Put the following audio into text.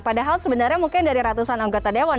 padahal sebenarnya mungkin dari ratusan anggota dewan